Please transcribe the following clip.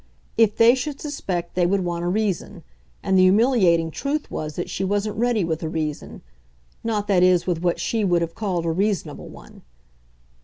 If they should suspect they would want a reason, and the humiliating truth was that she wasn't ready with a reason not, that is, with what she would have called a reasonable one.